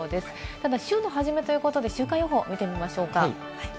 ただ週の始めということで、週間予報を見てみましょう。